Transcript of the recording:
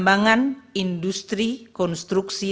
fungsi ekonomi diartikan sebagai